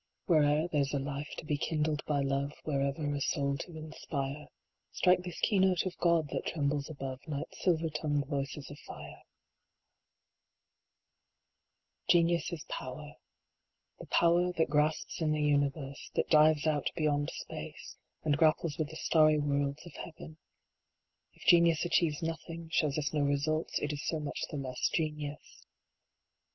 " Where er there s a life to be kindled by love, Wherever a soul to inspire, Strike this key note of God that trembles above Night s silver tongued voices of fire." s power. The power that grasps in the universe, that dives out beyond space, and grapples with the starry worlds of heaven. If genius achieves nothing, shows us no results, it is so much the less genius.